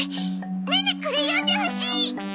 ネネこれ読んでほしい！